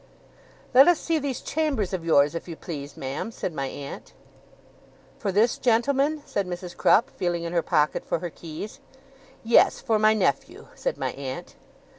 'Let us see these chambers of yours, if you please, ma'am,' said my aunt. 'For this gentleman?' said Mrs. Crupp, feeling in her pocket for her keys. 'Yes, for my nephew,' said my aunt.